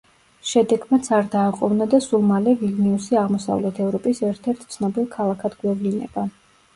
შედეგმაც არ დააყოვნა და სულ მალე ვილნიუსი აღმოსავლეთ ევროპის ერთ–ერთ ცნობილ ქალაქად გვევლინება.